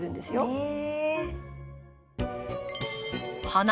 へえ。